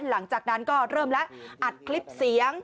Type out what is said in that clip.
หลังจากนั้นก็เริ่มแล้วอัดคลิปเสียง